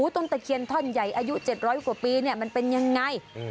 ตะเคียนท่อนใหญ่อายุ๗๐๐กว่าปีมันเป็นยังไง